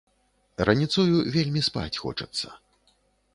Раніцою вельмі спаць хочацца.